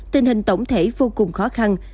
tình hình tổng thể vô cùng khó khăn